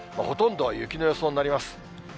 ほとんど雪の予想になります。